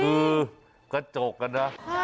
คือกระจกน่ะ